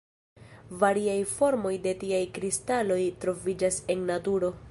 Variaj formoj de tiaj kristaloj troviĝas en naturo.